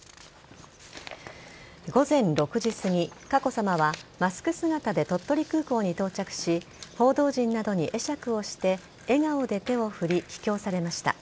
午前６時すぎ佳子さまは、マスク姿で鳥取空港に到着し報道陣などに会釈をして笑顔で手を振り帰京されました。